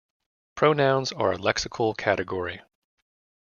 Pronouns are a "lexical category".